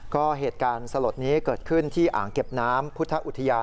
ก็เหตุการณ์สลดนี้เกิดขึ้นที่อ่างเก็บน้ำพุทธอุทยาน